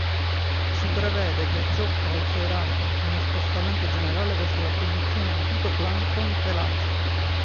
Si prevede che ciò causerà uno spostamento generale verso la produzione di fitoplancton pelagico.